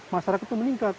masyarakat itu meningkat